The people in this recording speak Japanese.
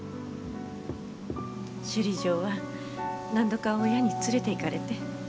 首里城は何度か親に連れていかれて。